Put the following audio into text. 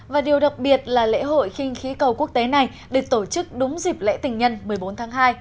và điều đặc biệt là lễ hội kinh khí cầu quốc tế này được tổ chức đúng dịp lễ tình nhân một mươi bốn tháng hai